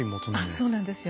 あっそうなんですよ。